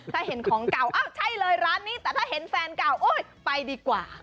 ถ้าเห็นของเก่าอ้าวใช่เลยร้านนี้แต่ถ้าเห็นแฟนเก่าโอ๊ยไปดีกว่า